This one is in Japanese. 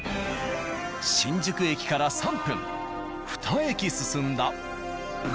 新宿駅から３分２駅進んだ。